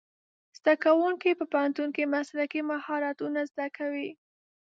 زدهکوونکي په پوهنتون کې مسلکي مهارتونه زده کوي.